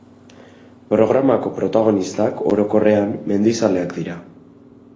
Programako protagonistak, orokorrean, mendizaleak dira.